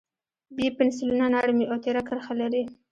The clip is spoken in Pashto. B پنسلونه نرم وي او تېره کرښه لري.